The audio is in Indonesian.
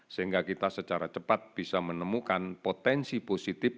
sehingga kita secara cepat bisa menemukan potensi positif